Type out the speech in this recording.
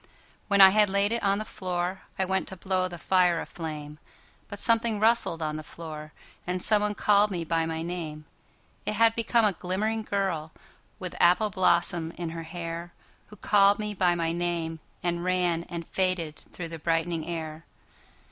When I had laid it on the floorI went to blow the fire a flame, But something rustled on the floor, And someone called me by my name:It had become a glimmering girlWith apple blossom in her hairWho called me by my name and ranAnd faded through the brightening air.